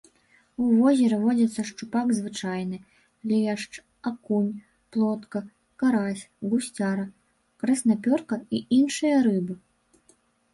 У возеры водзяцца шчупак звычайны, лешч, акунь, плотка, карась, гусцяра, краснапёрка і іншыя рыбы.